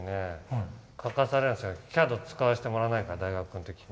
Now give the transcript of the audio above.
ＣＡＤ使わせてもらえないから大学の時に。